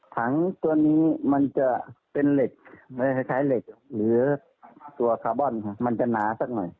ถังตัวนี้จะเป็นเหล็กแหละคลอดกรอบศาสตร์อ้างหรือตัวคาร์บอนมันจะหนาสักหน่อย